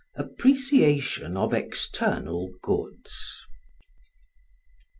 Appreciation of External Goods.